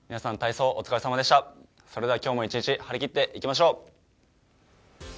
それでは今日も一日、張り切っていきましょう。